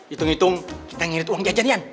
hitung hitung kita ngirit uang jajan ian